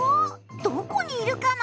どこにいるかな？